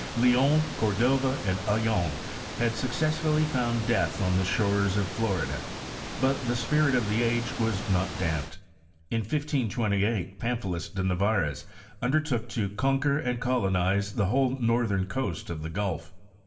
Leon, Cordova, and Ayllon, had successively found death on the shores of Florida ; but the spirit of the age was not damped : in 1528, Pamphilus de Narvaez undertook to con quer and colonize the whole northern coast of the gulf.